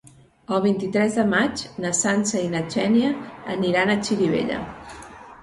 El vint-i-tres de maig na Sança i na Xènia aniran a Xirivella.